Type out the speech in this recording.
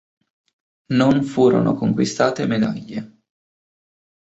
Non furono conquiste medaglie.